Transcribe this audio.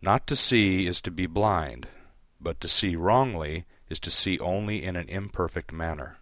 Not to see is to be blind, but to see wrongly is to see only in an imperfect manner.